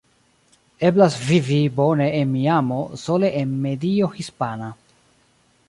Eblas vivi bone en Miamo sole en medio hispana.